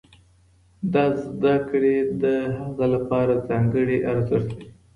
دا زده کړې د هغه لپاره ځانګړی ارزښت لري.